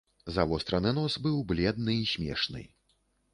Завостраны нос быў бледны і смешны.